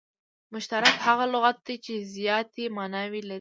مشترک هغه لغت دئ، چي زیاتي ماناوي ولري.